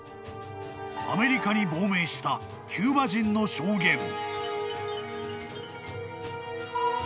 ［アメリカに亡命したキューバ人の証言］